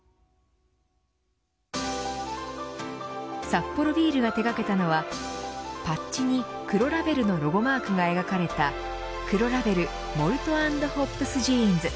サッポロビールが手がけたのはパッチに黒ラベルのロゴマークが描かれた黒ラベルＭａｌｔ＆ＨｏｐｓＪＥＡＮＳ。